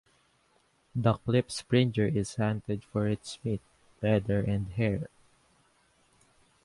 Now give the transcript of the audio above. The klipspringer is hunted for its meat, leather and hair.